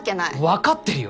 わかってるよ！